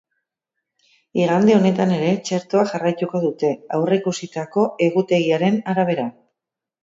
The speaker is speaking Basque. Igande honetan ere txertoak jarraituko dute, aurreikusitako egutegiaren arabera.